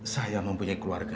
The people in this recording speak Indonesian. saya mempunyai keluarga